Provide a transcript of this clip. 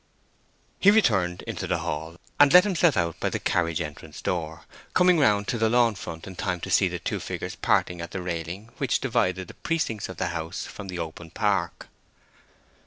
He returned into the hall, and let himself out by the carriage entrance door, coming round to the lawn front in time to see the two figures parting at the railing which divided the precincts of the house from the open park.